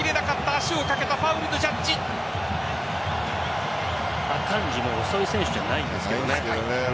アカンジもそういう選手じゃないんですけどね。